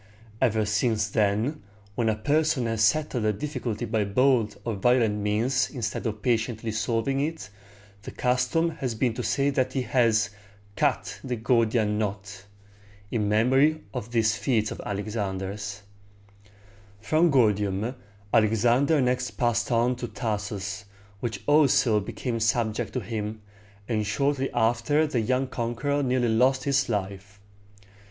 Ever since then, when a person has settled a difficulty by bold or violent means instead of patiently solving it, the custom has been to say that he has "cut the Gordian knot," in memory of this feat of Alexander's. [Illustration: Alexander cutting the Gordian Knot.] From Gordium, Alexander next passed on to Tar´sus, which also became subject to him; and shortly after that the young conqueror nearly lost his life.